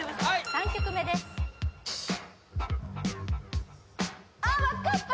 ３曲目ですあっ分かった！